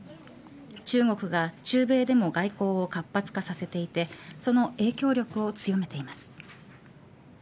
中国が中米でも外交を活発化させていてその影響力を強めています。